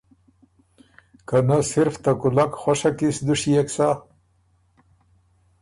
که نۀ صرف ته کُولک خوشه کی سُو دُشيېک سۀ